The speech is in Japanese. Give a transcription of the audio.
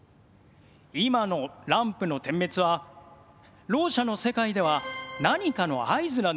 今のランプの点滅はろう者の世界では何かの合図なんです。